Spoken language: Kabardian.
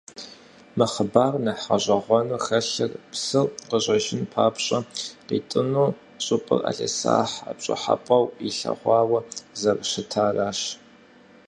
Мы хъыбарым нэхъ гъэщӏэгъуэну хэлъыр псыр къыщӏэжын папщӏэ къитӏыну щӏыпӏэр ӏэлисахь пщӏыхьэпӏэу илъэгъуауэ зэрыщытарщ.